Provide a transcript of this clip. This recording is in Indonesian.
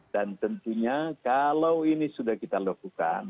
dan tentunya kalau ini sudah kita lakukan